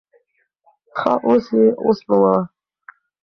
ښه اوس یې اوسپموه.